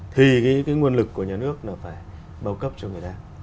thì cái nguồn lực của nhà nước là phải bao cấp cho người ta